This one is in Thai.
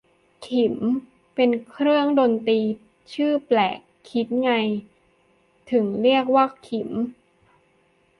ขิม เป็นเครื่องดนตรีชื่อแปลก คิดไงถึงเรียกว่าขิม